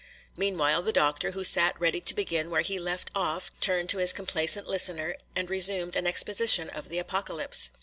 Meanwhile, the Doctor, who sat ready to begin where he left off, turned to his complaisant listener and resumed an exposition of the Apocalypse.